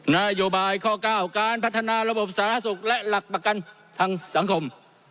นโยบายข้อ๙การพัฒนาระบบสาธารณสุขและหลักประกันทางสังคม